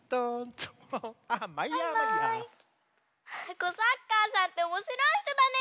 コサッカーさんっておもしろいひとだね！